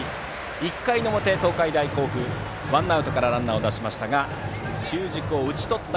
１回の表、東海大甲府ワンアウトからランナーを出しましたが中軸を打ち取った